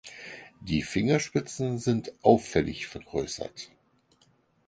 Die Fingerspitzen sind auffällig vergrößert.